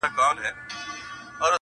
• خلک يې يادونه کوي ډېر,